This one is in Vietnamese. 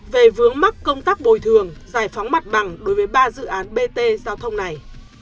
về vướng mắc công tác bồi thường giải phóng mặt bằng đối với ba dự án bt giao thông này